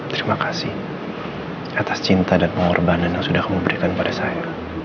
terima kasih atas cinta dan pengorbanan yang sudah kamu berikan pada saya